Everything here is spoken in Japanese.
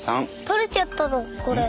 取れちゃったのこれ。